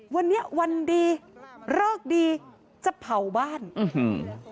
วันนี้วันดีเลิกดีจะเผาบ้านอื้อหือ